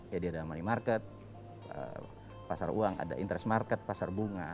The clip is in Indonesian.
jadi ada money market pasar uang ada interest market pasar bunga